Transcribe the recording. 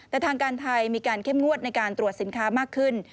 แต่ทางการไทยมีการเข้มงวดในการตรวจสินค้ามากขึ้น